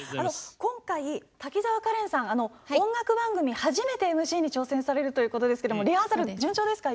今回、滝沢カレンさん音楽番組初めてＭＣに挑戦されるということですけどリハーサル順調ですか？